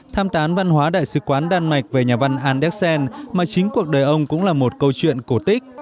tham tán văn hóa đại sứ quán đan mạch về nhà văn anderson mà chính cuộc đời ông cũng là một câu chuyện cổ tích